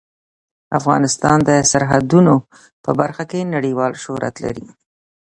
افغانستان د سرحدونه په برخه کې نړیوال شهرت لري.